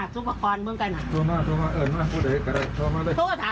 อ้ะจริงหรือเปล่า